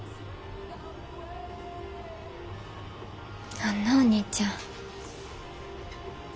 あんなお兄ちゃん。